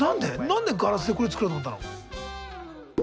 何でガラスでこれ作ろうと思ったの？